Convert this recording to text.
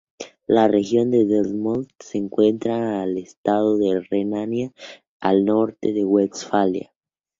La región de Detmold se encuentra al este del estado de Renania del Norte-Westfalia.